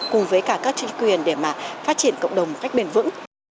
cùng với cả các chuyên quyền để mà phát triển cộng đồng một cách bền vững